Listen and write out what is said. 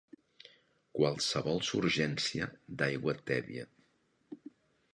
qualsevol surgència d'aigua tèbia